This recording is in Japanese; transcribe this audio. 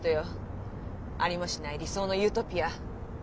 ありもしない理想のユートピア。